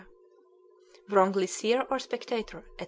wrongly seer or spectator, &c.